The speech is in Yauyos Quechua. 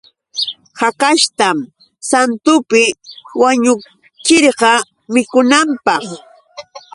Hakashtam santunpi wañuchirqa mikunanpaq.